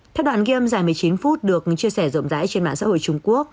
theo đoạn game dài một mươi chín phút được chia sẻ rộng rãi trên mạng xã hội trung quốc